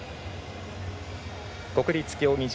国立競技場